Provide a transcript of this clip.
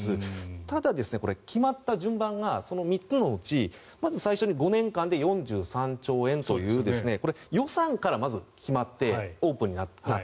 ただ、これ、決まった順番がその３つのうち、まず最初に５年間で４３兆円という予算からまず決まってオープンになった。